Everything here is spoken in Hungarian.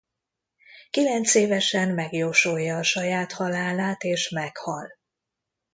Kilencévesen megjósolja a saját halálát és meghal.